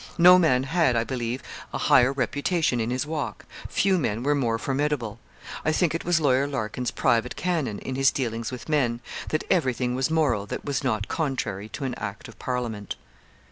No man had, I believe, a higher reputation in his walk few men were more formidable. I think it was Lawyer Larkin's private canon, in his dealings with men, that everything was moral that was not contrary to an Act of Parliament.